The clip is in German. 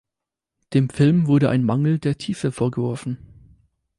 Dem Film wurde ein Mangel der Tiefe vorgeworfen.